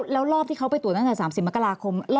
แล้วรอบที่เขาไปตรวจตั้งแต่๓๐มกราคม